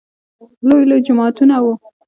لوى لوى جوماتونه وو.